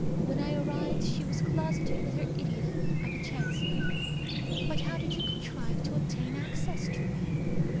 When I arrived she was closeted with her idiot of a Chancellor. But how did you contrive to obtain access to me?